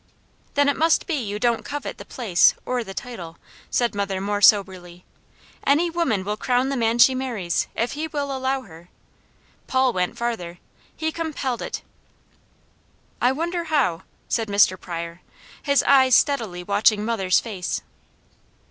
"Then it must be you don't covet the place or the title," said mother more soberly. "Any woman will crown the man she marries, if he will allow her. Paul went farther. He compelled it." "I wonder how!" said Mr. Pryor, his eyes steadily watching mother's face.